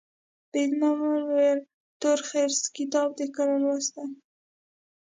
بریدمن وویل تورخرس کتاب دي کله لوستی.